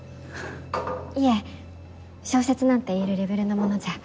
いえ小説なんていえるレベルのものじゃ。